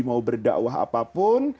mau berdakwah apapun